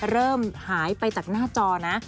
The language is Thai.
เริ่มหายไปจากหน้าจอนะ